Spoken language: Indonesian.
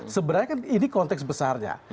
sebenarnya ini konteks besarnya